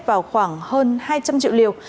vào khoảng hơn hai trăm linh triệu liều